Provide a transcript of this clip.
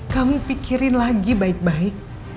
kamu pikirin lagi baik baik